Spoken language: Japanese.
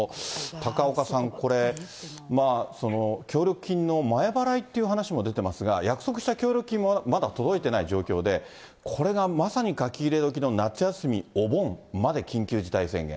高岡さん、これ、協力金の前払いっていう話も出てますが、約束した協力金もまだ届いていない状況で、これがまさに書き入れ時の夏休み、お盆まで緊急事態宣言。